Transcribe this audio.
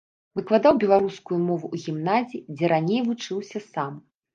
Выкладаў беларускую мову ў гімназіі, дзе раней вучыўся сам.